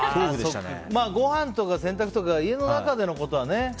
ごはんとか洗濯とか家の中でのことはね。